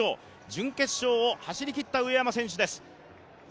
準決勝を走りきった上山選手です。